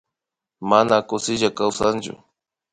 Mana kushilla kawsanllu